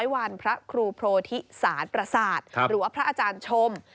วันพระครูโพธิสารประสาทหรือว่าพระอาจารย์ชม